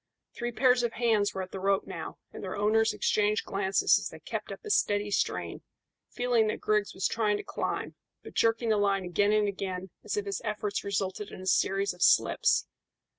Three pairs of hands were at the rope now, and their owners exchanged glances as they kept up a steady strain, feeling that Griggs was trying to climb, but jerking the line again and again as if his efforts resulted in a series of slips.